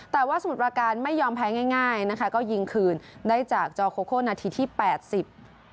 แต่ว่าสมุทรประการไม่ยอมแพ้ง่ายง่ายนะคะก็ยิงคืนได้จากจอโคโคนาทีที่แปดสิบ